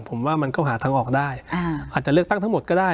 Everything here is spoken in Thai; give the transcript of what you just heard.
ผมว่ามันก็หาทางออกได้อาจจะเลือกตั้งทั้งหมดก็ได้